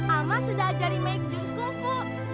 ama sudah ajarin mei ke jurus kungfu